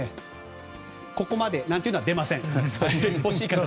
ここまでなんていうのは出ません。